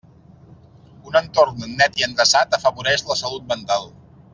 Un entorn net i endreçat afavoreix la salut mental.